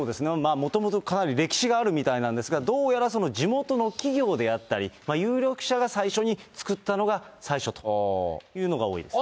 もともとかなり歴史があるみたいなんですが、どうやら地元の企業であったり、有力者が最初に造ったのが、最初というのが多いですね。